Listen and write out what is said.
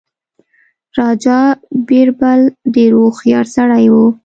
راجا بیربل ډېر هوښیار سړی وو.